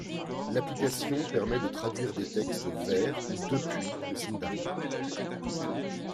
L'application permet de traduire des textes vers ou depuis le sindarin.